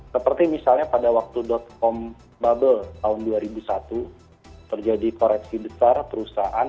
seperti misalnya pada waktu com bubble tahun dua ribu satu terjadi koreksi besar perusahaan